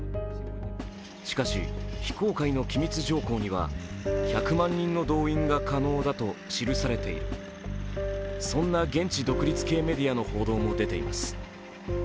しかし、非公開の機密条項には１００万人の動員が可能だと記されている、そんな現地独立系メディアの報道も出ています。